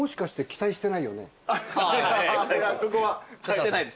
してないです。